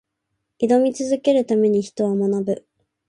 挑み続けるために、人は学ぶ。